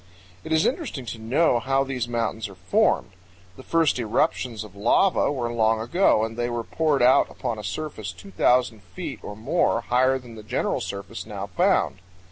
It is interesting to know how these mountains are formed. The first eruptions of lava were long ago, and they were poured out upon a surface 2,000 feet or more higher than the general surface now found.